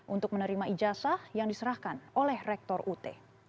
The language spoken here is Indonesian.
untuk menerima ijazah yang diserahkan oleh rektor ut